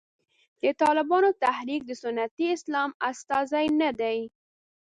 د طالبانو تحریک د سنتي اسلام استازی نه دی.